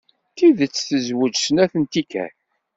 D tidet tezweǧ snat n tikkal.